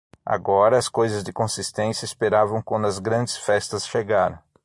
Agora, as coisas de consistência esperavam quando as grandes festas chegaram.